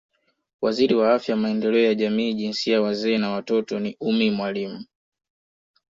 Waziri wa Afya Maendeleo ya Jamii Jinsia Wazee na Watoto ni Ummy Mwalimu